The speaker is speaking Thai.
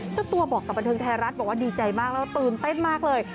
เจ้าตัวบอกกับบันเทิงไทยรัฐบอกว่าดีใจมากแล้วตื่นเต้นมากเลย